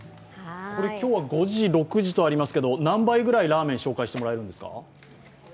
今日は５時、６時とありましたけれど、何杯ぐらいラーメンを紹介していただけるんですか？